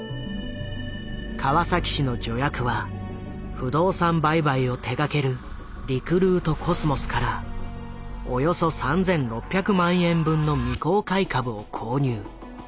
川崎市の助役は不動産売買を手がけるリクルートコスモスからおよそ３，６００万円分の未公開株を購入。